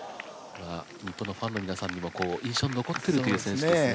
日本のファンの皆さんにもこう印象に残ってるという選手ですね。